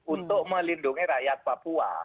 untuk melindungi rakyat papua